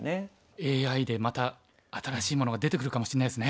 ＡＩでまた新しいものが出てくるかもしれないですね。